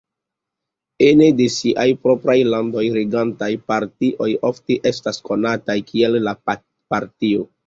Ene de siaj propraj landoj, regantaj partioj ofte estas konataj kiel "la Partio".